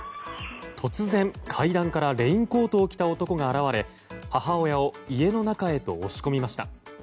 突然、階段からレインコートを着た男が現れ母親を家の中へと押し込みました。